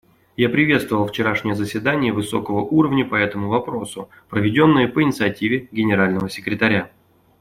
Я приветствовал вчерашнее заседание высокого уровня по этому вопросу, проведенное по инициативе Генерального секретаря.